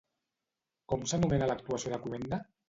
Com s'anomena l'actuació de cloenda?